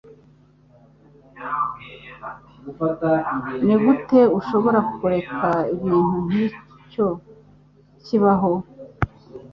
Nigute ushobora kureka ikintu nkicyo kibaho?